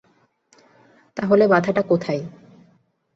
তা হলে বাধাটা কোথায়।